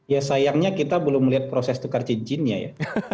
ya sayangnya kita belum melihat proses tukar cincinnya ya